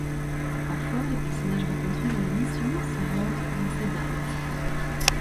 Parfois, les personnages rencontrés dans les missions se rendent dans ces bases.